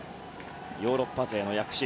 ヨーロッパ勢の躍進。